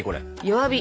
弱火。